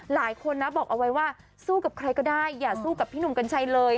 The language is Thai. หลายคนนะบอกเอาไว้ว่าสู้กับใครก็ได้อย่าสู้กับพี่หนุ่มกัญชัยเลย